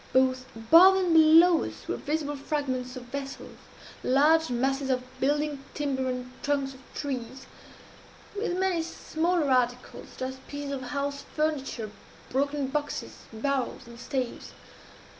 Both above and below us were visible fragments of vessels, large masses of building timber and trunks of trees, with many smaller articles, such as pieces of house furniture, broken boxes, barrels, and staves.